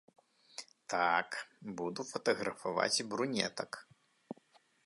Так, буду фатаграфаваць брунетак.